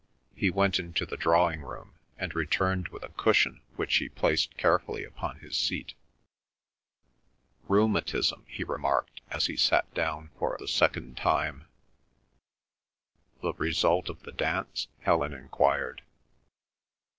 He went into the drawing room, and returned with a cushion which he placed carefully upon his seat. "Rheumatism," he remarked, as he sat down for the second time. "The result of the dance?" Helen enquired.